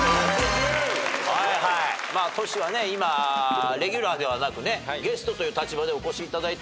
まあトシはね今レギュラーではなくゲストという立場でお越しいただいておりますけれど。